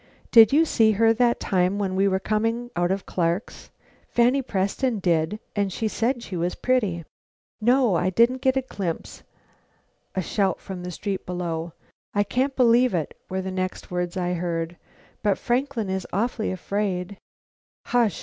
Did you see her that time when we were coming out of Clark's? Fanny Preston did, and said she was pretty." "No, I didn't get a glimpse " A shout from the street below. "I can't believe it," were the next words I heard, "but Franklin is awfully afraid " "Hush!